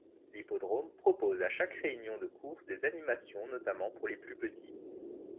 L'hippodrome propose à chaque réunion de courses des animations notamment pour les plus petits.